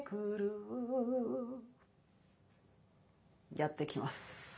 やってきます。